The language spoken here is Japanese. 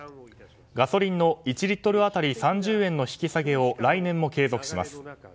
ガソリンの１リットル当たり３０円の引き下げを来年も継続します。